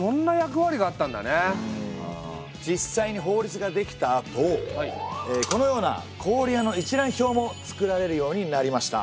実際に法律が出来たあとこのような氷屋の一覧表も作られるようになりました。